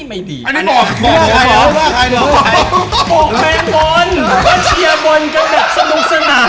เปลือกแมงบนแล้วเชียร์บนกันแบบสนุกหนา